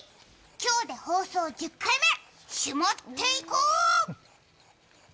今日で放送１０回目、しまっていこう！